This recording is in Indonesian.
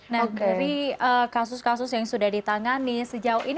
nah dari kasus kasus yang sudah ditangani sejauh ini